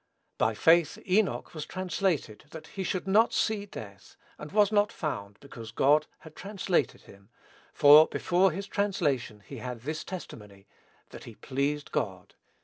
"By faith Enoch was translated that he should not see death; and was not found, because God had translated him; for before his translation he had this testimony, that he pleased God."